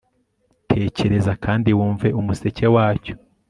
Tekereza kandi wumve umuseke wacyo